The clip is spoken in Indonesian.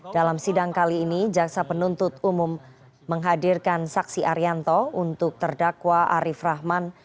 dalam sidang kali ini jaksa penuntut umum menghadirkan saksi arianto untuk terdakwa arief rahman